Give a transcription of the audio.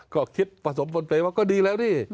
ก็คิดผสมบนไปว่าก็ดีแล้วนี่